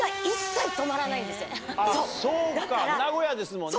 あっそうか名古屋ですもんね